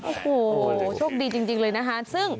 โอ้โหโชคดีจริงเลยนะฮะ